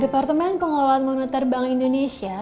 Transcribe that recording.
departemen pengelolaan moneter bank indonesia